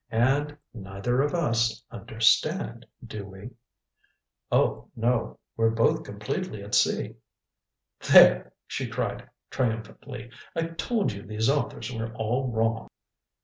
And neither of us 'understand,' do we?" "Oh, no we're both completely at sea." "There," she cried triumphantly. "I told you these authors were all wrong."